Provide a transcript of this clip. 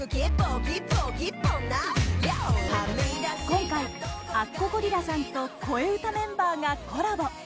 今回、あっこゴリラさんと「こえうた」メンバーがコラボ。